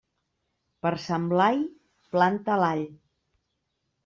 Per Sant Blai, planta l'all.